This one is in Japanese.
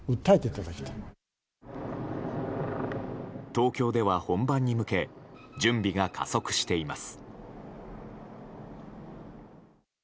東京では本番に向け準備が加速しています。